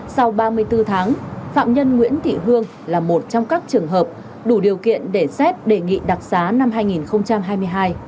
sau ba mươi bốn tháng phạm nhân nguyễn thị hương là một trong các trường hợp đủ điều kiện để xét đề nghị đặc xá năm hai nghìn hai mươi hai